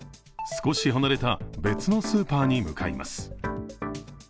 少し離れた別のスーパーに向かいます。